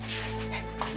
ini jangan marni